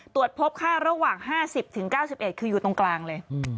ตรวจพบค่าระหว่าง๕๐๙๑คืออยู่ตรงกลางเลย